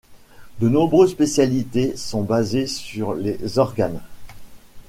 De nombreuses spécialités sont basées sur les organes.